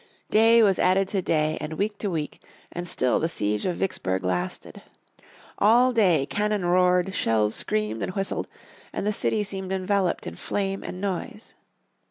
Day was added to day, and week to week, and still the siege of Vicksburg lasted. All day cannon roared, shells screamed and whistled, and the city seemed enveloped in flame and noise.